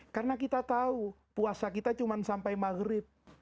karena kita tahu puasa kita cuma sampai maghrib